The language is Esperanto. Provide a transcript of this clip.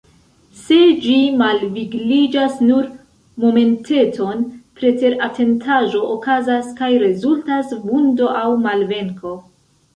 Se ĝi malvigliĝas nur momenteton, preteratentaĵo okazas, kaj rezultas vundo aŭ malvenko.